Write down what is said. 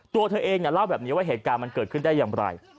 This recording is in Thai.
ตัวเธอเองเล่าแบบนี้ว่าเหตุการณ์มันเกิดขึ้นได้อย่างไร